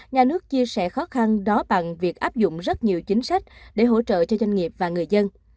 nhà nước chia sẻ khó khăn đó bằng việc áp dụng rất nhiều chính sách để hỗ trợ cho doanh nghiệp và người dân